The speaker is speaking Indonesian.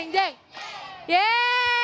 jeng jeng yee